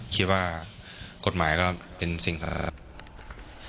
คิดว่ากฎหมายก็เป็นสิ่งสาธารณะ